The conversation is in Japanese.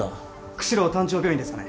釧路丹頂病院ですかね。